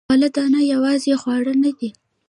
غله دانه یوازې خواړه نه دي.